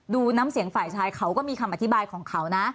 น้ำเสียงฝ่ายชายเขาก็มีคำอธิบายของเขานะ